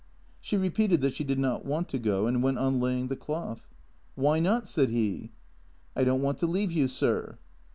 She repeated that she did not want to go, and went on laying the cloth. "Why not?" said he. " I don't want to leave you, sir."